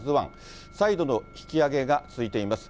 再度の引き揚げが続いています。